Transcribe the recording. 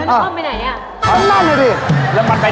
เอออ่ะแล้วมันคล่อมไปไหนอ่ะ